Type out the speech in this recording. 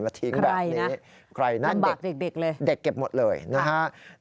มาทิ้งแบบนี้ใครน่ะเด็กเด็กเก็บหมดเลยนะครับนั่นบักเด็กเลย